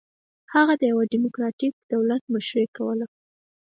هغه د یوه ډیموکراټیک دولت مشري کوله.